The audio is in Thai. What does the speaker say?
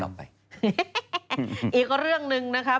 เราว่าเป็นพัน